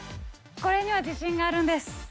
これには自信があるんです！